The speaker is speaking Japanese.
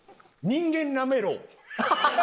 人間なめろう？